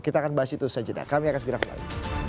kita akan bahas itu saja kami akan segera kembali